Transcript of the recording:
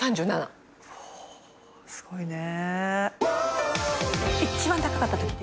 おすごいね。